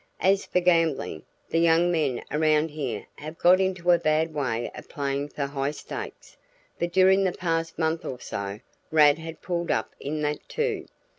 As for gambling, the young men around here have got into a bad way of playing for high stakes, but during the past month or so Rad had pulled up in that too.